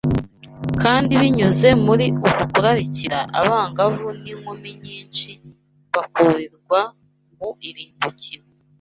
Kandi binyuze muri uku kurarikira, abangavu n’inkumi nyinshi bakururirwa mu irimbukiro